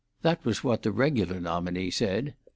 That was what the regular nominee said.